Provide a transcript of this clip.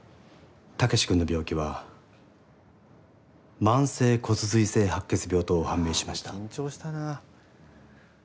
武志君の病気は慢性骨髄性白血病と判明しました。